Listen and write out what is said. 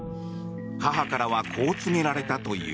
母からはこう告げられたという。